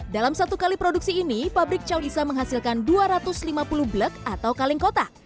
dalam satu kali produksi ini pabrik chaulisa menghasilkan dua ratus lima puluh blek atau kaleng kota